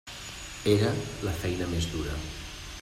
Era la feina més dura.